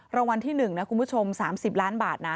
รางวัลที่๑นะคุณผู้ชม๓๐ล้านบาทนะ